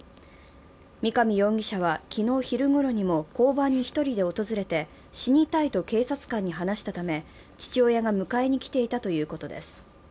三上容疑者は昨日昼ごろにも交番に１人で訪れて、死にたいと警察官に話したため、父親が迎えに来ていたということです。